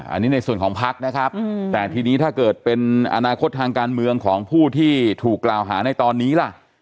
อันนี้ในส่วนของพักนะครับแต่ทีนี้ถ้าเกิดเป็นอนาคตทางการเมืองของผู้ที่ถูกกล่าวหาในตอนนี้ล่ะ